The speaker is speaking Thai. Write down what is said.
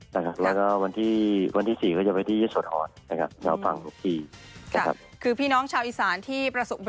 แล้วก็วันที่สี่ก็จะไปที่ไศทศรษฐ์หน้าวฟังทั่วที่